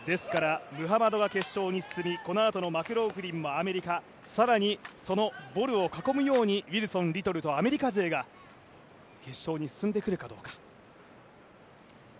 ムハマドは決勝に進み、このあとのマクローフリンもアメリカ、更にボルを囲むように、ウィルソンリトルとアメリカ勢が決勝に進んでくるか。